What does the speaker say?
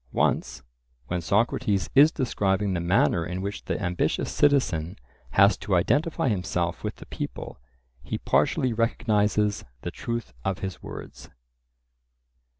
Once, when Socrates is describing the manner in which the ambitious citizen has to identify himself with the people, he partially recognizes the truth of his words.